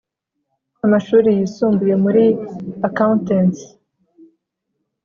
amashuri yisumbuye muri Accountancy